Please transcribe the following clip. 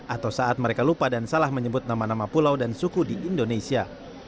atau saat mereka lupa dan salah menyebut nama nama pulau dan suku di indonesia